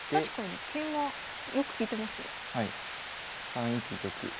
３一玉。